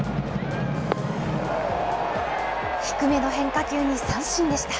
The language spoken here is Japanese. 低めの変化球に三振でした。